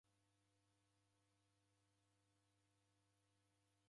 Ziw'a aha.